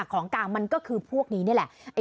ของกลางมันก็คือพวกนี้นี่แหละ